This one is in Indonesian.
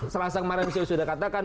selasa kemarin saya sudah katakan